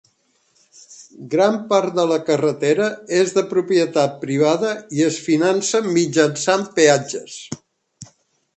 Gran part de la carretera és de propietat privada i es finança mitjançant peatges.